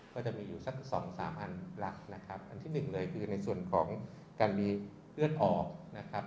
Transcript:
ก็จะมีอยู่สักสองสามอันหลักนะครับอันที่หนึ่งเลยคือในส่วนของการมีเลือดออกนะครับ